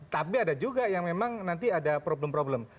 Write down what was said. tapi ada juga yang memang nanti ada problem problem